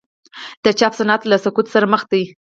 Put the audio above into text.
د چاپ صنعت له سقوط سره مخ دی؟